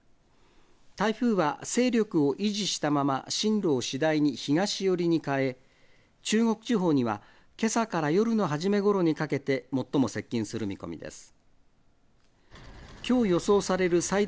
台風は勢力を維持したまま進路を次第に東寄りに変え中国地方には、けさから夜の初めごろにかけて最も接近する見込みです。